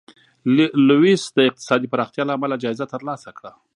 لویس د اقتصادي پراختیا له امله جایزه ترلاسه کړه.